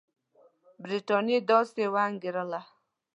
برټانیې داسې وانګېرله.